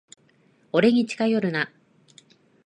俺に近寄るな。